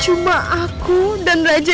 cuman aku dan raja